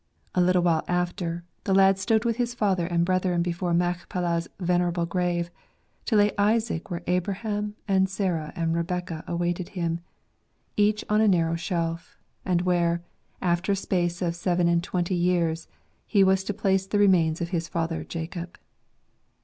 A little while after, the lad stood with his father and brethren before Machpelah's venerable grave, to lay Isaac where Abraham and Sarah and Rebekah awaited him, each on a narrow shelf; and where, after a space of seven and twenty years, he was to place the remains of his father Jacob.